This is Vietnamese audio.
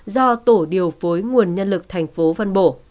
do tổ điều phối nguồn nhân lực tp hcm